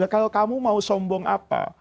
kalau kamu mau sombong apa